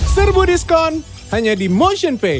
serbu diskon hanya di motionpay